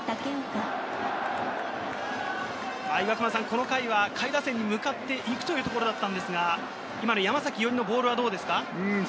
この回は下位打線に向かっていくというところだったんですが、今の山崎伊織のボールはどうですか？